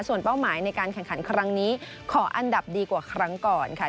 ส่วนเป้าหมายในการแข่งขันครั้งนี้ขออันดับดีกว่าครั้งก่อนค่ะ